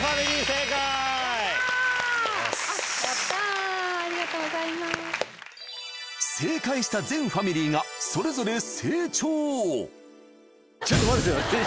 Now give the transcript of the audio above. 正解した全ファミリーがそれぞれ成長何で？